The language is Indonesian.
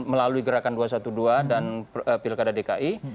melalui gerakan dua ratus dua belas dan pilkada dki